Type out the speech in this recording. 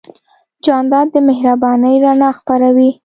جانداد د مهربانۍ رڼا خپروي.